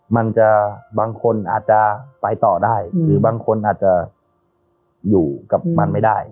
มันจะบางคนอาจจะไปต่อได้หรือบางคนอาจจะอยู่กับมันไม่ได้